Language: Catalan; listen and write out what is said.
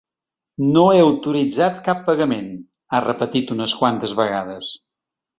“No he autoritzat cap pagament”, ha repetit unes quantes vegades.